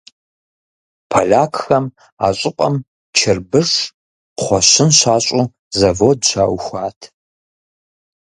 Полякхэм а щӏыпӏэм чырбыш, кхъуэщын щащӏу завод щаухуат.